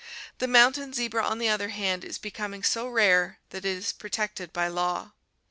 The mountain zebra, on the other hand, is becoming so rare that it is protected by law.